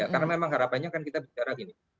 karena memang harapannya kan kita bicara gini